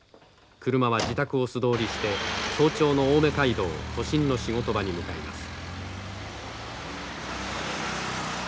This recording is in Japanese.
車は自宅を素通りして早朝の青梅街道を都心の仕事場に向かいます。